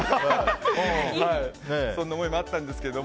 そんな思いもあったんですけど。